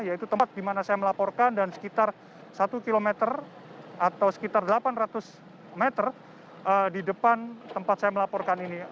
yaitu tempat di mana saya melaporkan dan sekitar satu km atau sekitar delapan ratus meter di depan tempat saya melaporkan ini